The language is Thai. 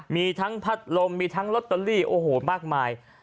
มีทั้งพัดลมมีทั้งลอตเตอรี่โอ้โหมากมาย